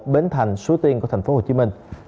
bến thành số tiên của tp hcm